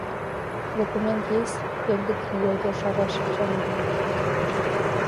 — Документ есть? — пеҥгыдын йодо шара шинчан еҥ.